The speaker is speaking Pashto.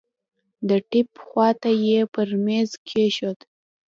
د ټېپ خوا ته يې پر ميز کښېښود.